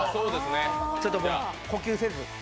ちょっともう呼吸せず。